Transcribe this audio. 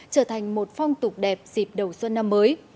trở thành một phong tục đẹp dịp đầu xuân năm mới